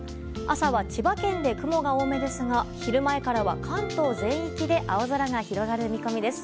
朝は千葉県で雲が多めですが昼前からは、関東全域で青空が広がる見込みです。